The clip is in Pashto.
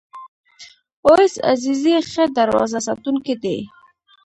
اویس عزیزی ښه دروازه ساتونکی دی.